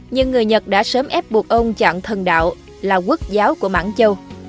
nhưng người nhật đã sớm ép buộc ông chọn thần đạo là quốc giáo của mãng châu